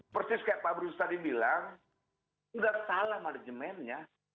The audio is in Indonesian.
persis kayak pak bruce tadi bilang sudah salah margimennya